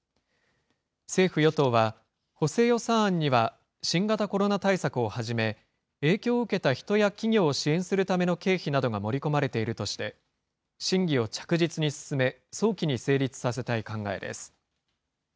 政府・与党は、補正予算案には新型コロナ対策をはじめ、影響を受けた人や企業を支援するための経費などが盛り込まれているとして、審議を着実に進め、早期に成立させたい考えです。